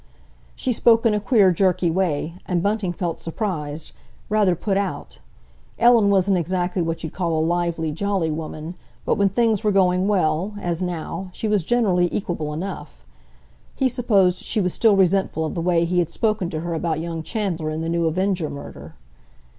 She spoke in a queer, jerky way, and Bunting felt surprised—rather put out. Ellen wasn't exactly what you'd call a lively, jolly woman, but when things were going well—as now—she was generally equable enough. He supposed she was still resentful of the way he had spoken to her about young Chandler and the new Avenger murder.